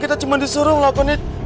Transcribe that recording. kita cuma disuruh ngelakuin